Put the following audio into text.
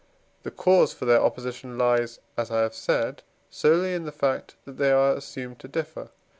The cause for their opposition lies, as I have said, solely in the fact that they are assumed to differ.